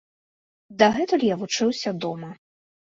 Дагэтуль я вучыўся дома.